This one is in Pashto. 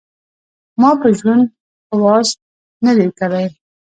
ما په ژوند خواست نه دی کړی .